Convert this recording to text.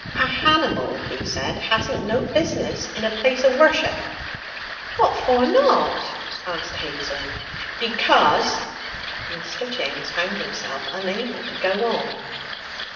'A hanimal,' he said, 'hasn't no business in a place o' worship.' 'What for not?' asked Hazel. 'Because ' Mr. James found himself unable to go on.